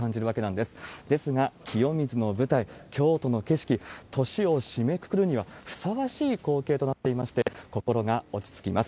ですが、清水の舞台、京都の景色、年を締めくくるにはふさわしい光景となっていまして、心が落ち着きます。